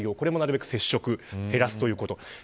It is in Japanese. これも、なるべく接触を減らすということ。